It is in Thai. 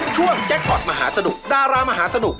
แจ็คพอร์ตมหาสนุกดารามหาสนุก